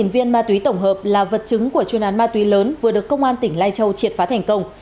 một mươi viên ma túy tổng hợp là vật chứng của chuyên án ma túy lớn vừa được công an tỉnh lai châu triệt phá thành công